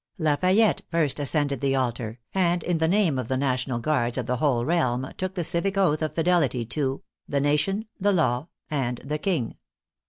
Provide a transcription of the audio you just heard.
Lafayette first as cended the altar, and in the name of the National Guards of the whole realm took the civic oath of fidelity to " the nation, the law, and the King."